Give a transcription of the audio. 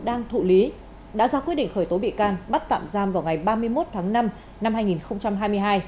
đang thụ lý đã ra quyết định khởi tố bị can bắt tạm giam vào ngày ba mươi một tháng năm năm hai nghìn hai mươi hai